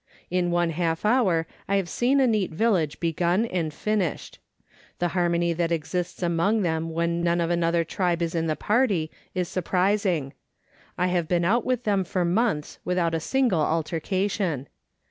In one half hour I have seen a neat village begun and finished. The harmony that exists among them when none of another tribe is in the party is surprising. I have been out with them for months without a single altercation.